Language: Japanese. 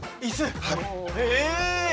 え！